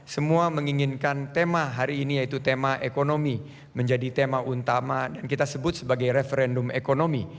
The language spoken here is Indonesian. semua menginginkan tema hari ini yaitu tema ekonomi menjadi tema kepentingan